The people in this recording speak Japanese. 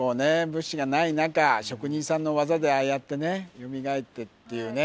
物資がない中職人さんの技でああやってねよみがえってっていうね。